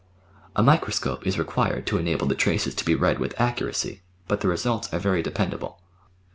A microscope is required to enable the traces to be read with accuracy, but the results are very dependable.